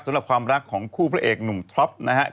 สำหรับความรักของคู่พระเอกหนุ่มท็อปนะฮะ